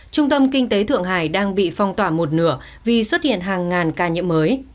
trung tâm kinh tế thượng hải đang bị phong tỏa một nửa vì xuất hiện hàng ngàn ca nhiễm mới